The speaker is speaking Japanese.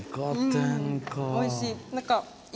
おいしい。